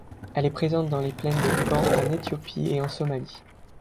Elle est présente dans les plaines de Liben en Éthiopie et en Somalie.